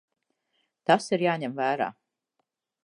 Tas ir jāņem vērā.